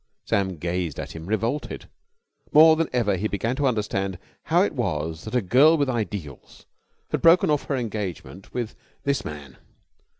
Sam gazed at him, revolted. More than ever he began to understand how it was that a girl with ideals had broken off her engagement with this man.